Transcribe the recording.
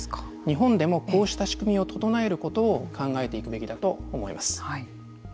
日本でもこうした仕組みを整えることを考えていくべきだと思います。